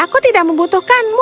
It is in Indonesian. dan aku tidak membutuhkanmu